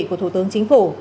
của thủ tướng chính phủ